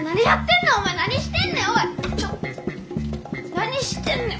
何してんねん！